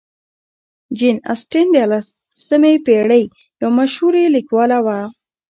جین اسټن د اتلسمې پېړۍ یو مشهورې لیکواله وه.